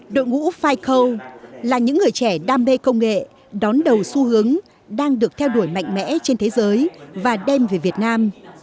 đội ngũ fico là những người trẻ đam mê công nghệ đón đầu xu hướng đang được theo đuổi mạnh mẽ trên thế giới và đem về việt nam